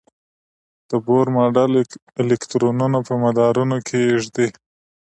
د بور ماډل الکترونونه په مدارونو کې ږدي.